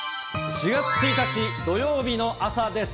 ４月１日土曜日の朝です。